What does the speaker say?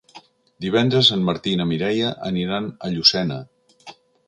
Divendres en Martí i na Mireia aniran a Llucena.